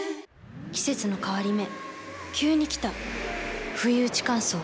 季節の変わり目急に来たふいうち乾燥。